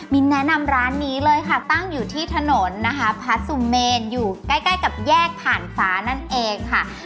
แนะนำร้านนี้เลยค่ะตั้งอยู่ที่ถนนนะคะพระสุเมนอยู่ใกล้ใกล้กับแยกผ่านฟ้านั่นเองค่ะ